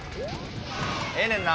ええねんな？